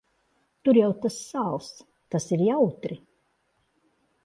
Tur jau tas sāls. Tas ir jautri.